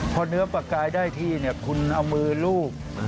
พอเนื้อปลากายได้ที่คุณเอามือลูบ